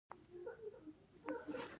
په وینزویلا کې د چاوېز حکومت خپل سیالان ځپي.